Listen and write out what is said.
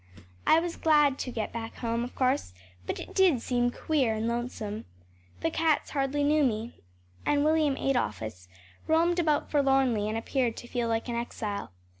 I was glad to get back home, of course; but it did seem queer and lonesome. The cats hardly knew me, and William Adolphus roamed about forlornly and appeared to feel like an exile.